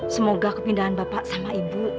semoga kepindahan bapak sama ibu